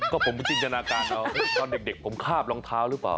ก็ผมจินตนาการเอาตอนเด็กผมคาบรองเท้าหรือเปล่า